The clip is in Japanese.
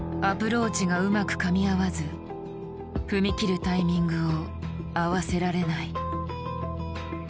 アプローチがうまくかみ合わず踏み切るタイミングを合わせられない。